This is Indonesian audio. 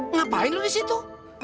ngapain lo disitu